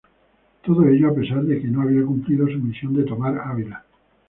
Todo ello a pesar de que no había cumplido su misión de tomar Ávila.